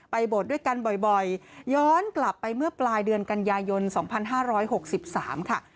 บทด้วยกันบ่อยย้อนกลับไปเมื่อปลายเดือนกันยายน๒๕๖๓ค่ะ